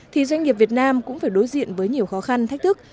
thì doanh nghiệp việt nam cũng phải đối diện với nhiều khó khăn thách thức